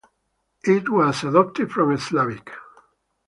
It was adopted from Slavic.